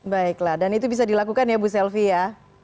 baiklah dan itu bisa dilakukan ya bu selvi ya